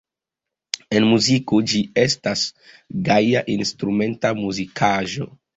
En muziko ĝi estas gaja instrumenta muzikaĵo.